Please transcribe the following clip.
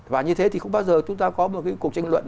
và như thế thì không bao giờ chúng ta có một cuộc tranh luận